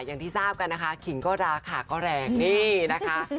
อย่างที่ทราบกันนะคะขิงก็ราคาก็แรงนี่นะคะ